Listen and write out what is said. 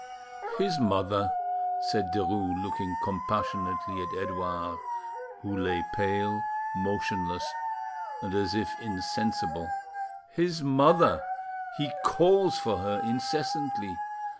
"His mother," said Derues, looking compassionately at Edouard, who lay pale, motionless, and as if insensible,—"his mother! He calls for her incessantly.